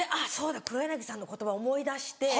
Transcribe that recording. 黒柳さんの言葉思い出して。